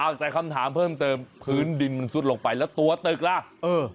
เอาแต่คำถามเพิ่มเติมพื้นดินมันซุดลงไปแล้วตัวตึกล่ะเออ